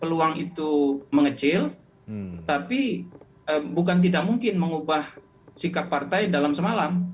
peluang itu mengecil tapi bukan tidak mungkin mengubah sikap partai dalam semalam